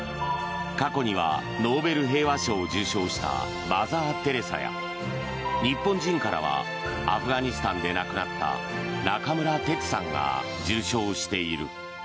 過去にはノーベル平和賞を受賞したマザー・テレサや日本人からはアフガニスタンで亡くなった中村哲さんが受賞している。